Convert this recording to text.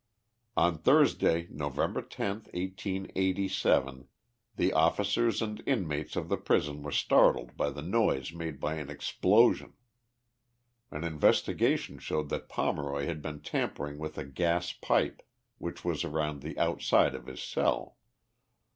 74 i THE LIFE OF JESSE HARDING POMEROY. On Thursday, Nov. 10, 1SS7, the officers and inmates of the prison were startled by the noise made by an explosion. An investigation showed that Pomeroy had been tampering with a gas pipe, which was around the outside of his cell.